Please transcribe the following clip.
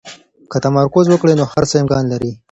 که تمرکز وکړئ، نو هر څه امکان لري.